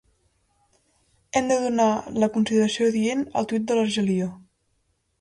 Hem de donar la consideració adient al tuit de l'Argelia.